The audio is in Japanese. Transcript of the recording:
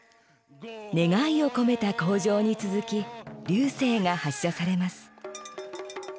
願いを込めた口上に続き龍勢が発射されます。